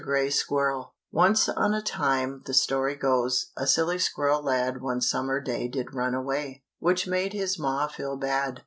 GRAY SQUIRREL. Once on a time, the story goes, A silly squirrel lad One summer day did run away Which made his ma feel bad.